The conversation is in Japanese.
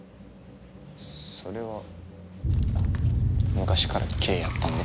それは昔からきれいやったんで。